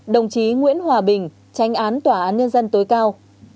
sáu đồng chí nguyễn hòa bình tranh án tòa án nhân dân tối cao